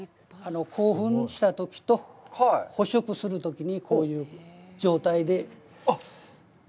興奮したときと、捕食するときにこういう状態で。